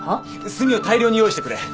墨を大量に用意してくれ。